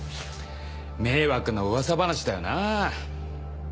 迷惑な噂話だよな。